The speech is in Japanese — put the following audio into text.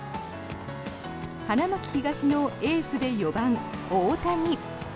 花巻東のエースで４番、大谷。